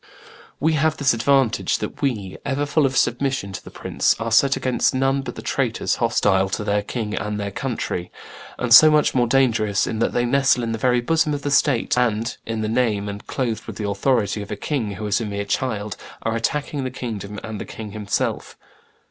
We have this advantage, that we, ever full of submission to the prince, are set against none but traitors hostile to their king and their country, and so much the more dangerous in that they nestle in the very bosom of the state, and, in the name and clothed with the authority of a king who is a mere child, are attacking the kingdom and the king himself.